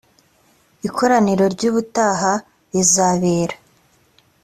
ikoraniro ry ubutaha rizabera